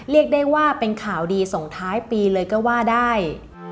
เรียกได้ว่าเป็นข่าวดีส่งท้ายปีเลยก็ว่าได้